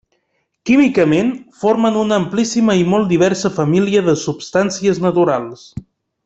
Químicament, formen una amplíssima i molt diversa família de substàncies naturals.